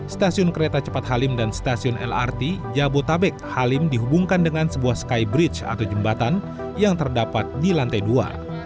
stasiun kereta cepat halim dan stasiun lrt jabotabek halim dihubungkan dengan sebuah skybridge atau jembatan yang terdapat di lantai dua